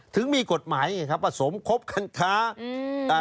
ถึงมีกฎหมายไงครับว่าสมคบกันค้า